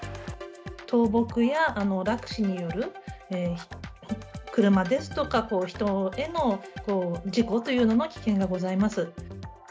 倒木や落枝による車ですとか、人への事故という危険がございます。